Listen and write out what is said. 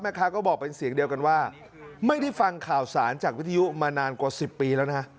เขาบอกเป็นเสียงเดียวกันว่าไม่ได้ฟังข่าวสารจากวิทยุมานานกว่า๑๐ปีแล้วนะ